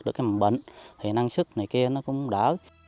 thì năng suất này kia cũng đỡ